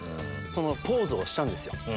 そのポーズをしたんですよ。